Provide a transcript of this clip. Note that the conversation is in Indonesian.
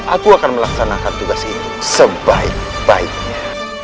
aku akan melaksanakan tugas ini sebaik baiknya